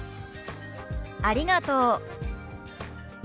「ありがとう」。